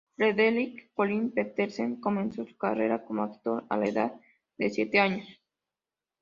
Frederick Colin Petersen comenzó su carrera como actor a la edad de siete años.